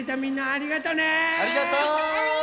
ありがとう！